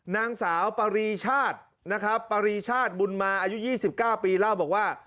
นางสาวปรีชาตินะครับปรีชาติบุญมาอายุ๒๙ปีเล่าบอกว่า